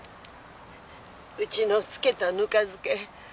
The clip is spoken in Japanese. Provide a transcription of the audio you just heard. うちの漬けたぬか漬け